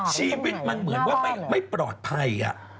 ชีวิตมันเหมือนว่าไม่ปลอดภัย